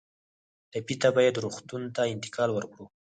ټپي ته باید روغتون ته انتقال ورکړو.